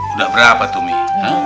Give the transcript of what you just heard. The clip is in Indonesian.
udah berapa tuh